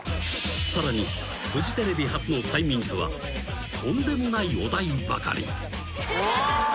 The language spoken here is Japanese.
［さらにフジテレビ初の催眠術はとんでもないお題ばかり］